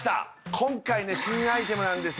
今回ね新アイテムなんですよ